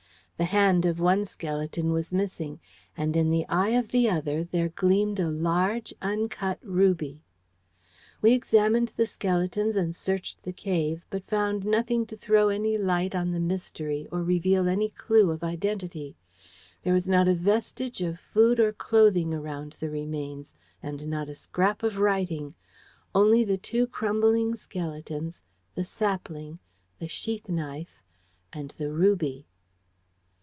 The hand of one skeleton was missing, and in the eye of the other there gleamed a large uncut ruby. We examined the skeletons and searched the cave, but found nothing to throw any light on the mystery or reveal any clue of identity. There was not a vestige of food or clothing around the remains, and not a scrap of writing only the two crumbling skeletons, the sapling, the sheath knife, and the ruby.